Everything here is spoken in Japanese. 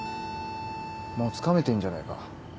もうつかめてんじゃねえか。